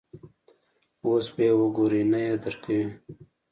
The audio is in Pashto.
اوس به یې وګورې، نه یې درکوي.